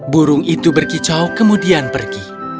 burung itu berkicau kemudian pergi